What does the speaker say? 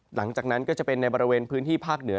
หลังจากนั้นก็จะเป็นในบริเวณพื้นที่ภาคเหนือ